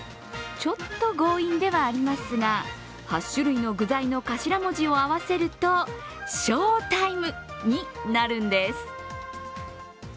ちょっと強引ではありますが、８種類の具材の頭文字を合わせるとＳＨＯＷＴＩＭＥになるんです。